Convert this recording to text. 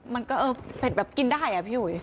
มันก็เออเผ็ดแบบกินได้อะพี่อุ๋ย